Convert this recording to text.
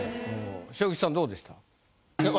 昇吉さんどうでした？